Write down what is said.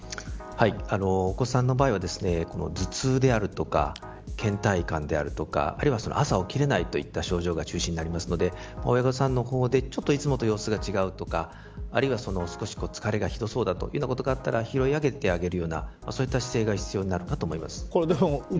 お子さんの場合は頭痛であるとか倦怠感であるとかあるいは朝起きれないといった症状が中心になるので親御さんの方でいつもと様子が違うとかあるいは少し疲れがひどそうだということがあったら拾い上げてあげるような姿勢が必要になるかと思います。